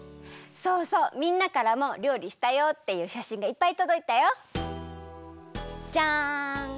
そうそうみんなからもりょうりしたよっていうしゃしんがいっぱいとどいたよ。じゃん！